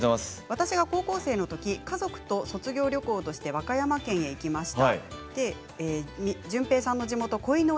私が高校生のとき家族と卒業旅行として和歌山県に行きました。